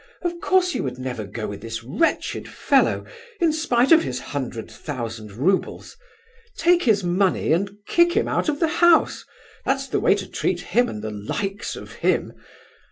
Of course you would never go with this wretched fellow, in spite of his hundred thousand roubles! Take his money and kick him out of the house; that's the way to treat him and the likes of him!